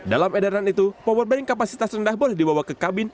dalam edaran itu powerbaning kapasitas rendah boleh dibawa ke kabin